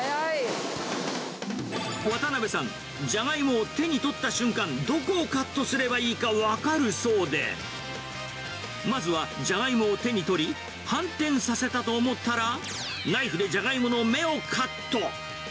渡邉さん、ジャガイモを手に取った瞬間、どこをカットすればいいか分かるそうで、まずはジャガイモを手に取り、反転させたと思ったら、ナイフでジャガイモの芽をカット。